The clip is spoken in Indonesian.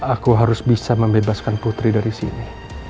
aku harus bisa membebaskan putri dari sini